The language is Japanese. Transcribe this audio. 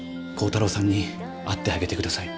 耕太郎さんに会ってあげて下さい。